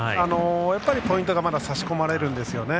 やっぱりポイントがまだ差し込まれるんですよね。